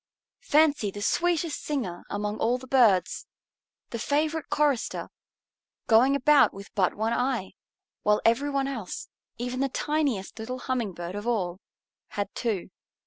Fancy the sweetest singer among all the birds, the favorite chorister, going about with but one eye, while every one else, even the tiniest little Humming Bird of all, had two.